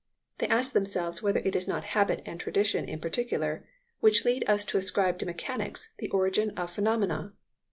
They ask themselves whether it is not habit and tradition in particular which lead us to ascribe to mechanics the origin of phenomena.